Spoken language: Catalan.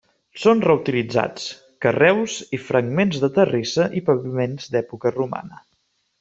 Són reutilitzats, carreus i fragments de terrissa i paviments d'època romana.